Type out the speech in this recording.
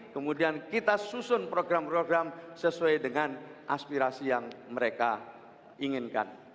kemudian kita susun program program sesuai dengan aspirasi yang mereka inginkan